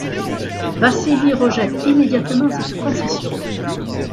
Vassili rejette immédiatement cette concession.